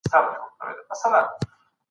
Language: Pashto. د دولت رئیس د هیواد وضعیت ته پام نه کوي.